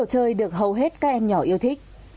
đồ chơi được hầu hết các em nhỏ yêu thích